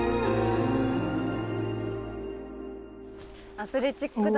アスレチックだ。